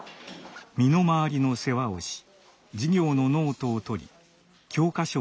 身の回りの世話をし授業のノートをとり教科書を読み聞かせる。